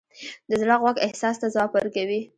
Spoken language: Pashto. د زړه غوږ احساس ته ځواب ورکوي.